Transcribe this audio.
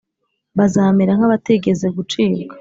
bazamera nk abatigeze gucibwa